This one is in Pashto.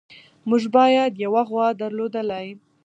موږ باید یوه غوا درلودلی.